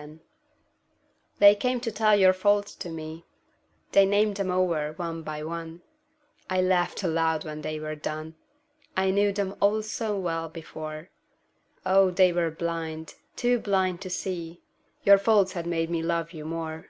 Faults They came to tell your faults to me, They named them over one by one; I laughed aloud when they were done, I knew them all so well before, Oh, they were blind, too blind to see Your faults had made me love you more.